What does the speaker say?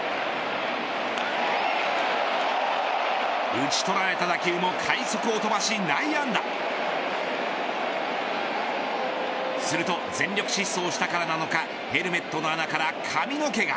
打ち取られた打球も快足を飛ばし内野安打すると全力疾走したからなのかヘルメットの穴から髪の毛が。